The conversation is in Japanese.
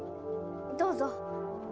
どうぞ。